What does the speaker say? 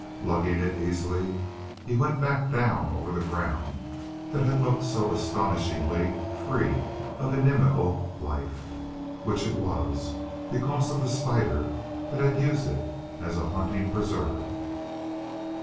Lugging it easily, he went back down over the ground that had looked so astonishingly free of inimical life which it was because of the spider that had used it as a hunting preserve.